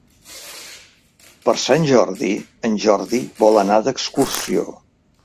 Per Sant Jordi en Jordi vol anar d'excursió.